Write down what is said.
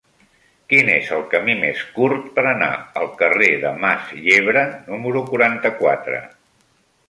Quin és el camí més curt per anar al carrer de Mas Yebra número quaranta-quatre?